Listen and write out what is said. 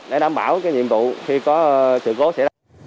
để đảm bảo nhiệm vụ khi có sự cố xảy ra